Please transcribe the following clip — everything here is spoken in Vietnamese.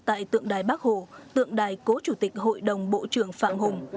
tại tượng đài bắc hồ tượng đài cố chủ tịch hội đồng bộ trưởng phạm hùng